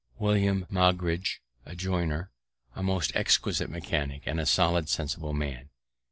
William Maugridge, a joiner, a most exquisite mechanic, and a solid, sensible man.